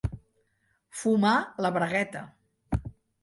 Fumar la bragueta.